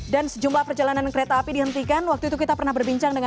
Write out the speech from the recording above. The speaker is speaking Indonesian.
dan sejumlah perjalanan kereta api dihentikan